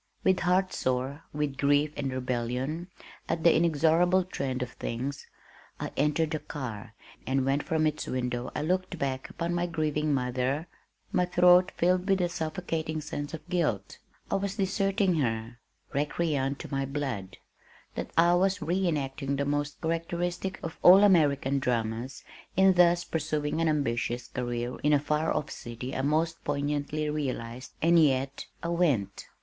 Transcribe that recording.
With heart sore with grief and rebellion at "the inexorable trend of things," I entered the car, and when from its window I looked back upon my grieving mother, my throat filled with a suffocating sense of guilt. I was deserting her, recreant to my blood! That I was re enacting the most characteristic of all American dramas in thus pursuing an ambitious career in a far off city I most poignantly realized and yet I went!